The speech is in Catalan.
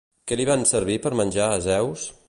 Què li van servir per menjar a Zeus?